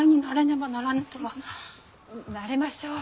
慣れましょう。